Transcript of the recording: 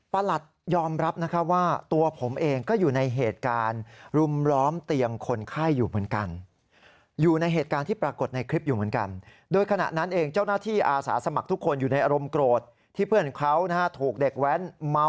ประหลัดยอมรับนะคะว่าตัวผมเองก็อยู่ในเหตุการณ์